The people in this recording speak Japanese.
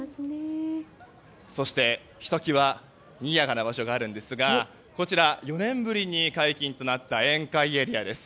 そして、ひと際にぎやかな場所があるんですがこちら、４年ぶりに解禁となった宴会エリアです。